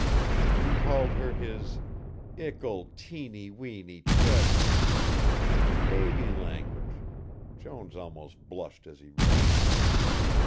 He called her his "Ickle teeny weeny treasure." Baby language Jones almost blushed as he read.